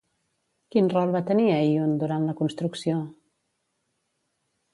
Quin rol va tenir Eíon durant la construcció?